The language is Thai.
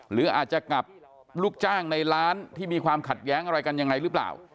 หรืออาจจะกับลูกจ้างในร้านที่มีความขัดแย้งอะไรกันยังไงหรือเปล่า